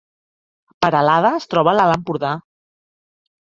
Peralada es troba a l’Alt Empordà